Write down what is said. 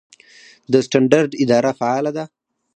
د سټنډرډ اداره فعاله ده؟